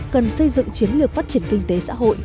cần xây dựng chiến lược phát triển kinh tế xã hội